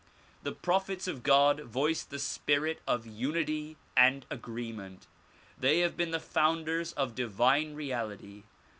The prophets of God voiced the spirit of unity and agreement. They have been the founders of divine reality.